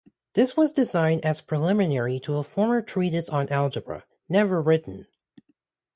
This was designed as preliminary to a formal treatise on algebra, never written.